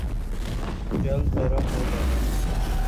جلد برہم ہو جاتا ہوں